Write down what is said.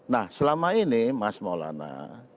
nah selama ini mas maulana